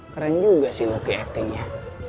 keren juga sih lucky actingnya